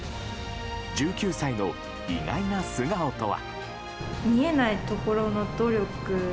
１９歳の意外な素顔とは。